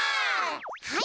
はい。